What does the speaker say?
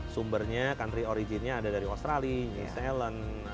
sumbernya country origin nya ada dari australia new zealand